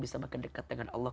bisa makin dekat dengan allah